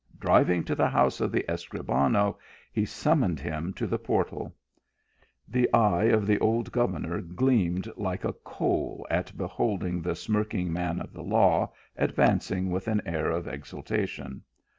Driving to the house of the Escribano, he summoned him to the portal. The eye of the old governor gleamed like a coal at beholding the smirking man of the law advancing with an air of exultation.